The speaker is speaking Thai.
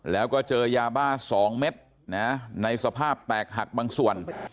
แล้วก็เจอยาบ้า๒เม็ดในสภาพแตกหักบางส่วน